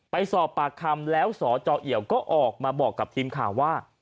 ไปสอบปากคำแล้วสจเอี่ยวก็ออกมาบอกกับทีมข่าวว่า